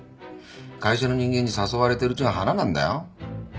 会社の人間に誘われてるうちが花なんだよ。